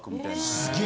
すげえ。